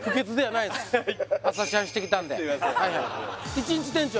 １日店長